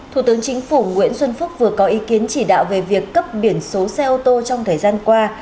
thủ tướng chính phủ nguyễn xuân phúc vừa có ý kiến chỉ đạo về việc cấp biển số xe ô tô trong thời gian qua